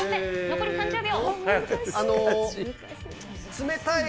残り３０秒。